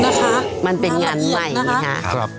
เด็กมันเป็นงานใหม่นะครับ